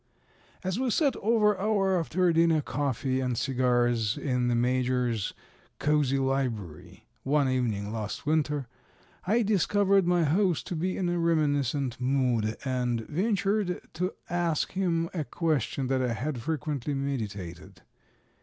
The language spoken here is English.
As we sat over our after dinner coffee and cigars in the major's cosy library, one evening last winter, I discovered my host to be in a reminiscent mood, and ventured to ask him a question that I had frequently meditated.